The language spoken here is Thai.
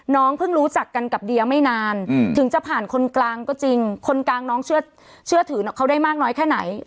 เพิ่งรู้จักกันกับเดียไม่นานถึงจะผ่านคนกลางก็จริงคนกลางน้องเชื่อถือเขาได้มากน้อยแค่ไหน